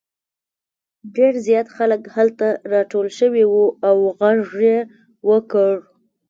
ډېر زیات خلک هلته راټول شوي وو او غږ یې وکړ.